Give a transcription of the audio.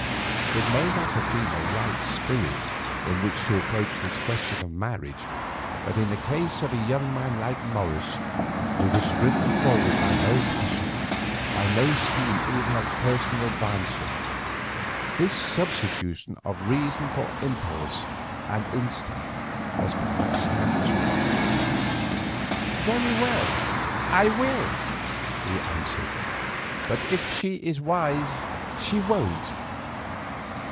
It may not have been a right spirit in which to approach this question of marriage, but in the case of a young man like Morris, who was driven forward by no passion, by no scheme even of personal advancement, this substitution of reason for impulse and instinct was perhaps natural. "Very well, I will," he answered; "but if she is wise, she won't."